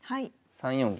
３四銀。